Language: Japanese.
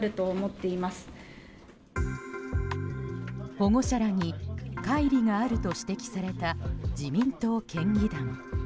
保護者らに乖離があると指摘された自民党県議団。